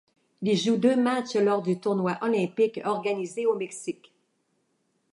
Il joue deux matchs lors du tournoi olympique organisé au Mexique.